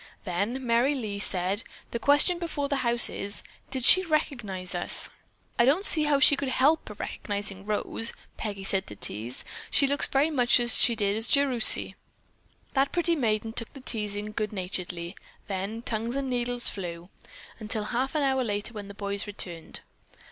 Then Merry Lee said: "The question before the house is, did she recognize us?" "I don't see how she could help recognizing Rose," Peggy said, to tease. "She looks very much as she did as Jerusy." That pretty maiden took the teasing good naturedly, then tongues and needles flew, until half an hour later when the boys returned.